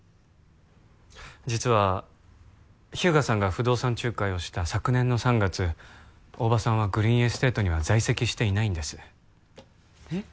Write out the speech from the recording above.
実は日向さんが不動産仲介をした昨年の３月大庭さんはグリーンエステートには在籍していないんですえっ？